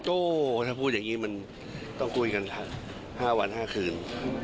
โอ้ถ้าพูดอย่างนี้มันต้องคุยกัน๕วัน๕คืน